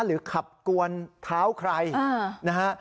หรือขับกวนเท้าใครนะฮะ